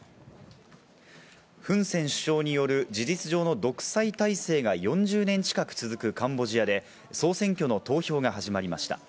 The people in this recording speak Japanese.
フン・セン首相による事実上の独裁体制が４０年近く続くカンボジアで総選挙の投票が始まりました。